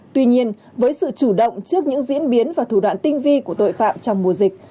tuy nhiên với sự chủ động trước những diễn biến và thủ đoạn tinh vi của tội phạm trong mùa dịch